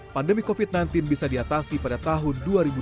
pandemi covid sembilan belas bisa diatasi pada tahun dua ribu dua puluh